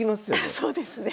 そうですね。